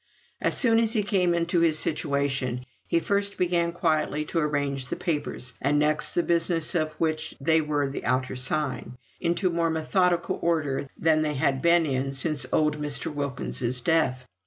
As soon as he came into his situation, he first began quietly to arrange the papers, and next the business of which they were the outer sign, into more methodical order than they had been in since old Mr. Wilkins's death.